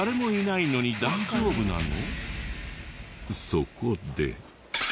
そこで。